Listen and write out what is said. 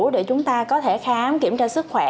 để chúng ta có thể khám kiểm tra sức khỏe